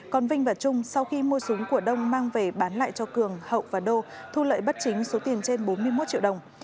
còn vinh và trung sau khi mua súng của đông mang về bán lại cho cường hậu và đô thu lợi bất chính số tiền trên bốn mươi một triệu đồng